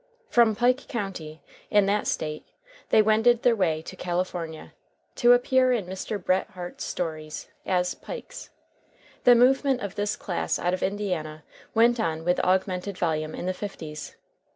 From Pike County, in that State, they wended their way to California, to appear in Mr. Bret Harte's stories as "Pikes." The movement of this class out of Indiana went on with augmented volume in the fifties.